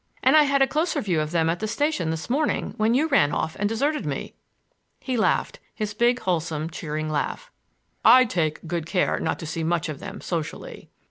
And I had a closer view of them at the station this morning, when you ran off and deserted me." He laughed,—his big wholesome cheering laugh. "I take good care not to see much of them socially."